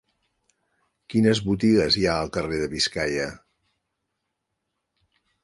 Quines botigues hi ha al carrer de Biscaia?